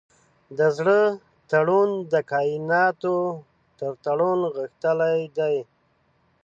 د زړه تړون د کایناتو تر تړون غښتلی دی.